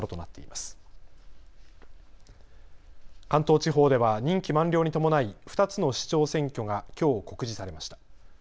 関東地方では任期満了に伴い２つの市長選挙がきょう告示されました。